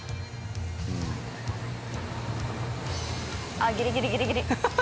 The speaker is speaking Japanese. あっギリギリギリギリ！